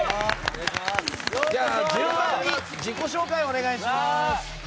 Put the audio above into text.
順番に自己紹介をお願いします。